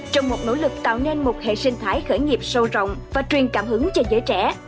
trong một nỗ lực tạo nên một hệ sinh thái khởi nghiệp sâu rộng và truyền cảm hứng cho giới trẻ